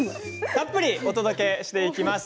たっぷり魅力をお届けしていきます。